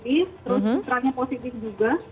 terus setelahnya positif juga